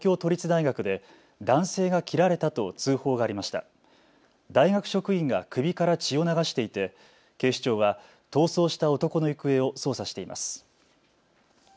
大学職員が首から血を流していて警視庁は逃走した男の行方を捜査しています。